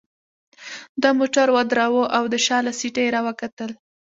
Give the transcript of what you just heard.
ده موټر ودراوه او د شا له سیټه يې راوکتل.